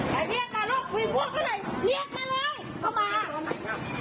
ใครจะบ้าหวัดถ้าลูกเขาจ้างมา